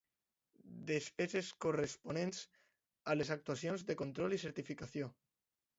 Despeses corresponents a les actuacions de control i certificació.